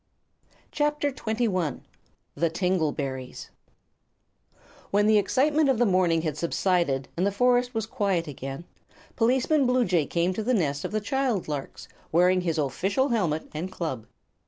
[CHAPTER XXI] The Tingle Berries When the excitement of the morning had subsided and the forest was quiet again, Policeman Bluejay came to the nest of the child larks, wearing his official helmet and club.